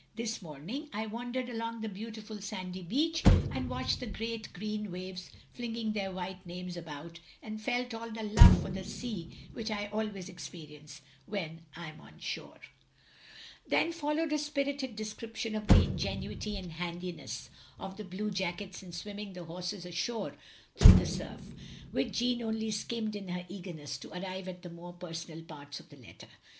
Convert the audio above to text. ... This morning I wandered along the beautiful sandy beach, and watched the great green waves flinging their white manes about and felt all the love for the sea which I always experience when I'm on shore. " 194 THE LONELY LADY Then followed a spirited description of the ingenuity and handiness of the blue jackets in swimming the horses ashore through the surf, which Jeanne only skimmed in her eager ness to arrive at the more personal parts of the letter.